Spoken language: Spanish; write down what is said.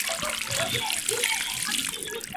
Originaria de India.